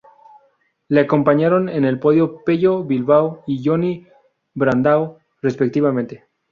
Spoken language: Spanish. Le acompañaron en el podio Pello Bilbao y Joni Brandão, respectivamente.